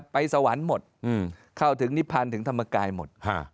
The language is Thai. ไปสวรรค์หมดเข้าถึงนิพันธ์ถึงธรรมกายหมด